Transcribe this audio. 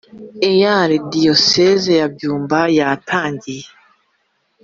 E A R Diyoseze ya Byumba yatangiye